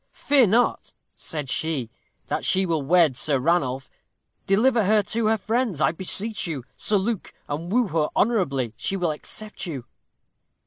'Fear not,' said she, 'that she will wed Sir Ranulph. Deliver her to her friends, I beseech you, Sir Luke, and woo her honorably. She will accept you.'